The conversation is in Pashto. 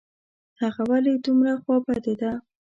هغه ولي دومره خوابدې ده ؟